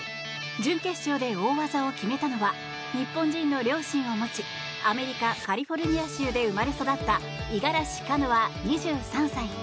準決勝で大技を決めたのは日本人の両親を持ちアメリカ・カリフォルニア州で生まれ育った五十嵐カノア、２３歳。